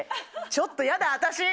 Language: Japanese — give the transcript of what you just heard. ちょっとやだ私。